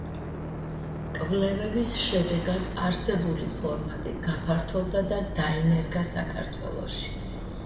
კვლევების შედეგად, არსებული ფორმატი გაფართოვდა და დაინერგა საქართველოში.